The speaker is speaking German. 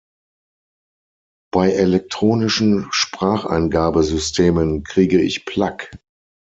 Bei elektronischen Spracheingabesystemen kriege ich Plaque!